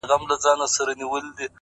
که څه هم دا د هندو لور بگوت گيتا” وايي”